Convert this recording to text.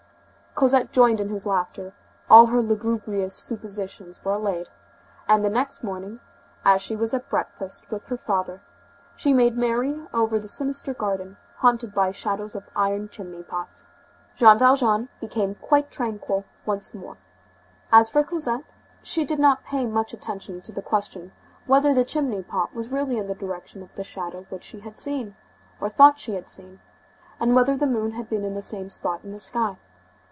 Cosette joined in his laughter, all her lugubrious suppositions were allayed, and the next morning, as she was at breakfast with her father, she made merry over the sinister garden haunted by the shadows of iron chimney pots. Jean Valjean became quite tranquil once more; as for Cosette, she did not pay much attention to the question whether the chimney pot was really in the direction of the shadow which she had seen, or thought she had seen, and whether the moon had been in the same spot in the sky.